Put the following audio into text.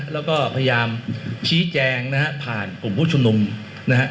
แล้วก็พยายามชี้แจงนะฮะผ่านกลุ่มผู้ชุมนุมนะฮะ